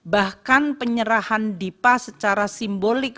bahkan penyerahan dipa secara simbolik